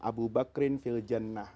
abu bakrin fil jannah